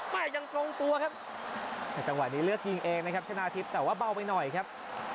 ยังตรงตัวครับแต่จังหวะนี้เลือกยิงเองนะครับชนะทิพย์แต่ว่าเบาไปหน่อยครับ